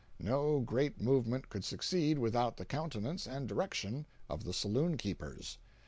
No great movement could succeed without the countenance and direction of the saloon keepers.